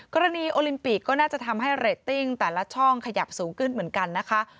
กรณีโอลิมปิกก็น่าจะทำให้เรตติ้งแต่ละช่องขยับสูงขึ้นเหมือนกันนะคะ